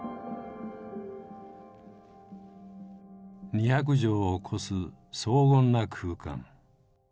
２００畳を超す荘厳な空間。